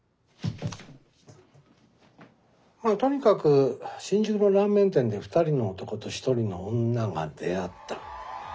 とにかく新宿のラーメン店で２人の男と１人の女が出会った。